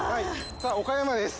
さあ岡山です。